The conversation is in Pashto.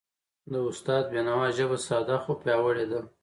استاد د بینوا ژبه ساده، خو پیاوړی ده.